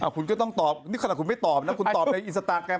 คุณก็ต้องตอบหนะนี่ขนาดคุณตอบคุณตอบในอินสตาร์แกรม